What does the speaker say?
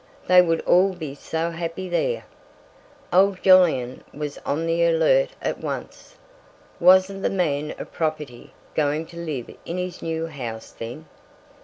They would all be so happy there. Old Jolyon was on the alert at once. Wasn't the "man of property" going to live in his new house, then?